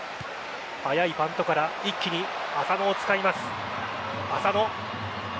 早いパントから一気に浅野を使います。